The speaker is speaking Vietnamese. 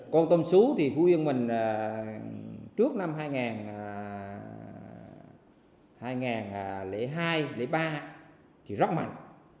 con tôm sú thì phú yên mình trước năm hai nghìn hai hai nghìn ba thì rất mạnh